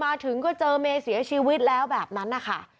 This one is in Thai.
มาถึงก็เจอเมย์เสียชีวิตแล้วแบบนั้นนะคะ